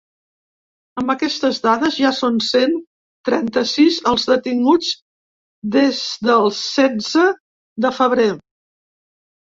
Amb aquestes dades ja són cent trenta-sis els detinguts des del setze de febrer.